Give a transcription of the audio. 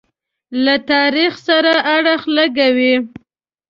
له تاریخ سره اړخ لګوي.